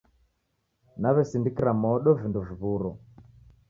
Nawesindikira modo vindo viw'uro.